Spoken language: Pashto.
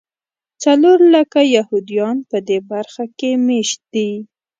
څلور لکه یهودیان په دې برخه کې مېشت دي.